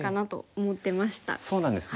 そうなんです。